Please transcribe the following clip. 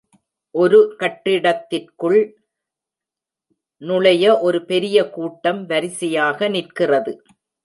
ஒரு கட்டிடத்திற்குள் நுழைய ஒரு பெரிய கூட்டம் வரிசையாக நிற்கிறது